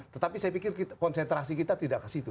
tetapi saya pikir konsentrasi kita tidak ke situ